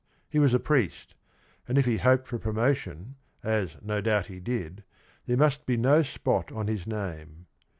He was a priest, and if he hoped for promotion, as no doubt he did, there must be no spot on his name.